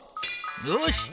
よし！